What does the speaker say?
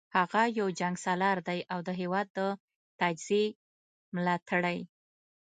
هغه یو جنګسالار دی او د هیواد د تجزیې ملاتړی